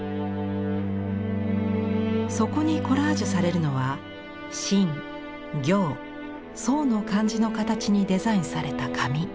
そこにコラージュされるのは真行草の漢字の形にデザインされた紙。